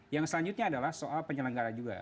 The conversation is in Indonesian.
yang selanjutnya adalah soal penyelenggara juga